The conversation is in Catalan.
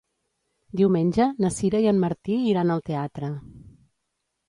Diumenge na Sira i en Martí iran al teatre.